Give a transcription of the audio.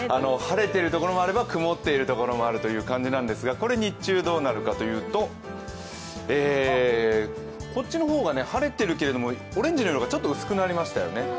晴れているところもあれば曇っているところもあるという感じなんですが、これ日中どうなるかというと、こっちの方は晴れているけれどもオレンジの色がちょっと薄くなりましたよね。